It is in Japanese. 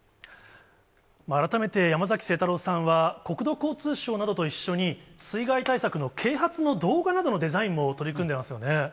改めて、山崎晴太郎さんは、国土交通省などと一緒に、水害対策の啓発の動画などのデザインも取り組んでいますよね。